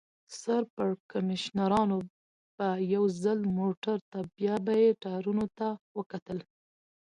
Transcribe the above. سر پړکمشرانو به یو ځل موټر ته بیا به یې ټایرونو ته وکتل.